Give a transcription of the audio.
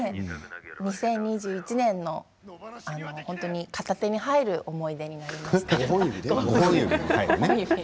２０２１年の片手に入る思い出になりました。